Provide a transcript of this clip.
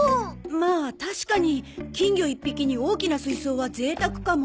まあ確かに金魚１匹に大きな水槽は贅沢かも。